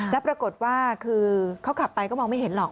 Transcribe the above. แล้วปรากฏว่าคือเขาขับไปก็มองไม่เห็นหรอก